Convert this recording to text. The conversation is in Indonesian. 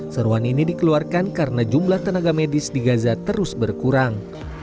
seruan ini dikeluarkan karena jumlah tenaga medis di gaza terus berkurang